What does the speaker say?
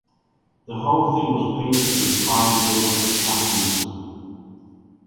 The whole thing was painted with fine geometric patterns.